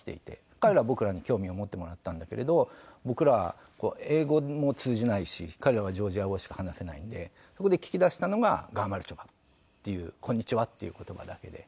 彼らは僕らに興味を持ってもらったんだけれど僕ら英語も通じないし彼らはジョージア語しか話せないんでそこで聞き出したのが「ガーマルチョバ」っていう「こんにちは」っていう言葉だけで。